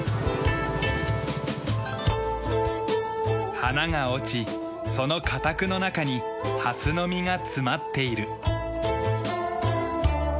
花が落ちその花托の中にハスの実が詰まっている。